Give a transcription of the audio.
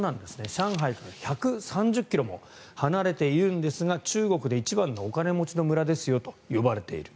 上海から１３０ｋｍも離れているんですが中国で一番のお金持ちの村だと呼ばれている。